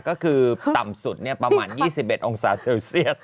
ก็คือต่ำสุดประมาณ๒๑องศาเซลเซียส